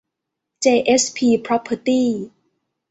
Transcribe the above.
เจ เอส พี พร็อพเพอร์ตี้